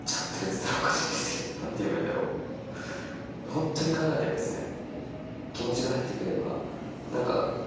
本当に考えてないですね。